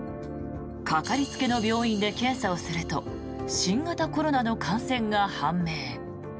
かかりつけの病院で検査をすると新型コロナの感染が判明。